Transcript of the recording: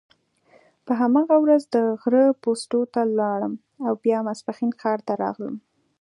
په هماغه ورځ د غره پوستو ته ولاړم او بیا ماپښین ښار ته راغلم.